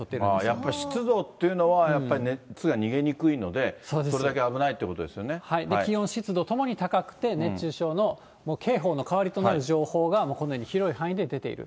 やっぱり、湿度っていうのは、やっぱり熱が逃げにくいので、そ気温、湿度ともに高くて、熱中症の、もう警報の代わりとなる情報が、このように広い範囲で出ている。